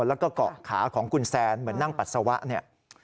แล้วก็เกาะขาของคุณแซนเหมือนนั่งปัสสาวะเนี่ย